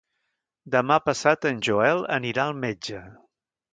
Demà passat en Joel anirà al metge.